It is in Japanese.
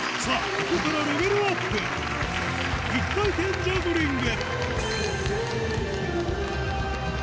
ここからレベルアップ一回転ジャグリング